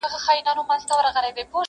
زما غزل تې ستا له حُسنه اِلهام راوړ.